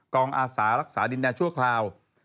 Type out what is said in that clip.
อาสารักษาดินแดนชั่วคราว